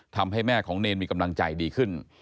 ทำให้แม่ของเนรมีกำลังใจดีขึ้น